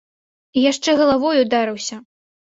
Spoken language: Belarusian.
І яшчэ галавой ударыўся!